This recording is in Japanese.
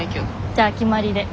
じゃあ決まりで。